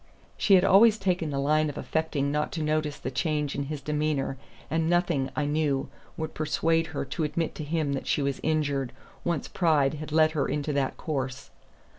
She had always taken the line of affecting not to notice the change in his demeanor, and nothing, I knew, would persuade her to admit to him that she was injured, once pride had led her into that course.